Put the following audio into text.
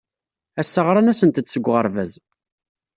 Ass-a ɣran-asent-d seg uɣerbaz.